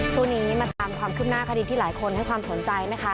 ช่วงนี้มาตามความคืบหน้าคดีที่หลายคนให้ความสนใจนะคะ